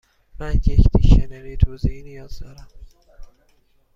من یک دیکشنری توضیحی نیاز دارم.